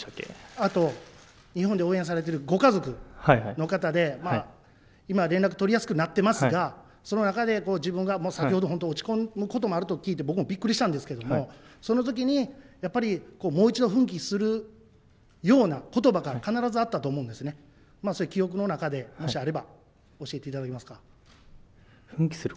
あと日本で応援されているご家族の方で、今、連絡取りやすくなっていますがその中で先ほど落ち込むことがあると聞いて、僕もびっくりしたんですけど、そのときにやっぱりもう一度奮起するようなことばが必ず思うと思うんですね、記憶の中でもしあれば教えていただけますか。